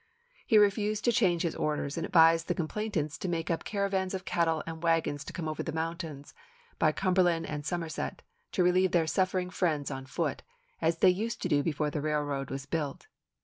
He refused to change his orders, and advised the complainants to make up caravans of cattle and wagons and come over the mountains, by Cumberland and Somerset, to relieve their suffering friends on foot, as they used to do before the railroad was built.